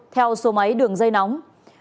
theo số máy đường dây nóng